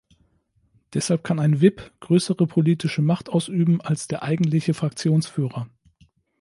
Deshalb kann ein Whip größere politische Macht ausüben als der eigentliche Fraktionsführer.